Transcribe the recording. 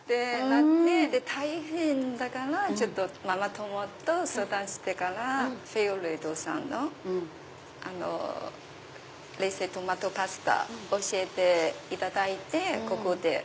大変だからママ友と相談してからフィオレットさんの冷製トマトパスタ教えていただいてここで。